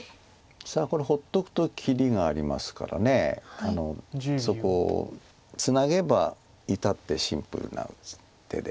さあこれ放っとくと切りがありますからそこをツナげばいたってシンプルな手で。